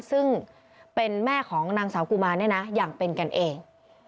ซึ่งเป็นแม่ของนางสาวกุมารเนี่ยนะอย่างเป็นกันเอง